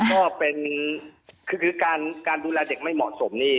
ก็เป็นคือการดูแลเด็กไม่เหมาะสมนี่